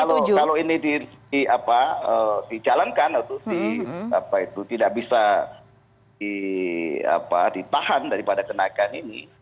kalau ini dijalankan atau tidak bisa ditahan daripada kenaikan ini